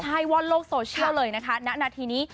ใช่ว่าโลกโซเชียลเลยนะคะณนาทีนี้